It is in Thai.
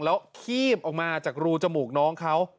แล้วคีบออกมาจากรูจมูกน้องเขา